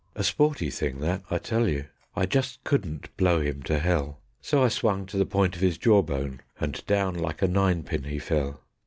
A sporty thing that, I tell you; I just couldn't blow him to hell, So I swung to the point of his jaw bone, and down like a ninepin he fell.